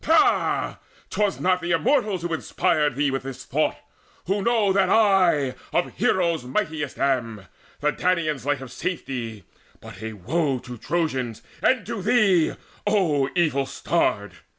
Ha, 'twas not The Immortals who inspired thee with this thought, Who know that I of heroes mightiest am, The Danaans' light of safety, but a woe To Trojans and to thee, O evil starred!